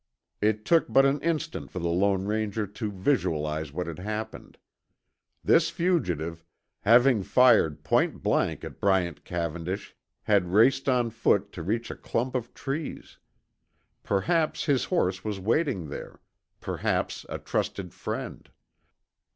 It took but an instant for the Lone Ranger to visualize what had happened. This fugitive, having fired point blank at Bryant Cavendish, had raced on foot to reach a clump of trees. Perhaps his horse was waiting there, perhaps a trusted friend.